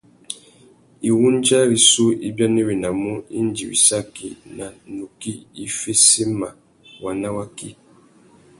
Iwundja rissú i bianéwénamú indi wissaki nà nukí i féssémamú waná waki.